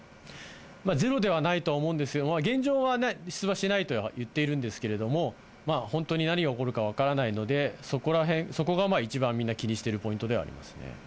ゼロではないと思うんですけれども、現状は出馬しないと言っているんですけれども、本当に何が起こるか分からないので、そこらへん、そこが一番みんな、気にしているポイントではありますね。